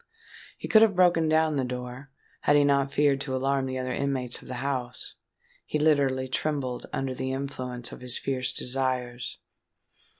He could have broken down the door, had he not feared to alarm the other inmates of the house. He literally trembled under the influence of his fierce desires.